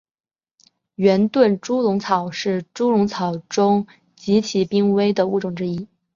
圆盾猪笼草是猪笼草属中极其濒危的物种之一。